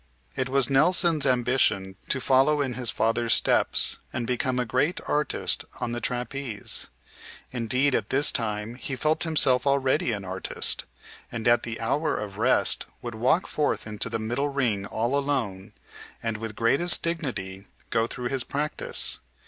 It was Nelson's ambition to follow in his father's steps and become a great artist on the trapeze. Indeed, at this time he felt himself already an artist, and at the hour of rest would walk forth into the middle ring all alone and with greatest dignity go through his practice.